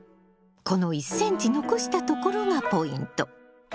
この１ｃｍ残したところがポイント。